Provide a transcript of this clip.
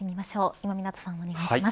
今湊さん、お願いします。